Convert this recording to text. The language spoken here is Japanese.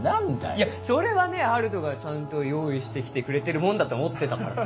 いやそれはね春斗がちゃんと用意して来てくれてるもんだと思ってたからさ。